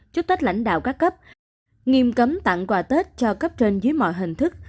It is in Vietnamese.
chúc tết lãnh đạo các cấp nghiêm cấm tặng quà tết cho cấp trên dưới mọi hình thức